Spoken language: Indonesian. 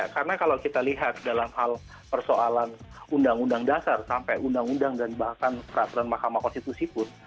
karena kalau kita lihat dalam hal persoalan undang undang dasar sampai undang undang dan bahkan peraturan mahkamah konstitusi pun